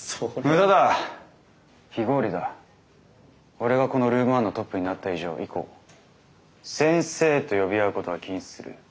俺がこのルーム１のトップになった以上以降先生と呼び合うことは禁止する。